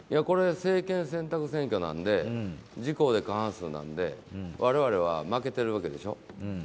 政権選択選挙なので自・公で過半数なので我々は負けてるわけでしょ。